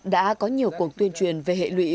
đã có nhiều cuộc tuyên truyền về hệ lụy